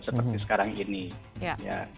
seperti sekarang ini